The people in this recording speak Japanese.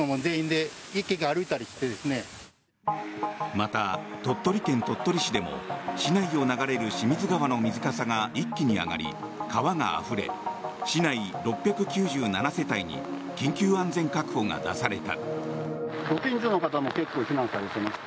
また、鳥取県鳥取市でも市内を流れる清水川の水かさが一気に上がり川があふれ、市内６９７世帯に緊急安全確保が出された。